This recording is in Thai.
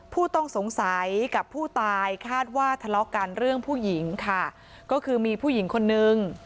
ผู้ต้องสงสัยกับผู้ตายคาดว่าทะเลาะกันเรื่องผู้หญิงค่ะก็คือมีผู้หญิงคนนึง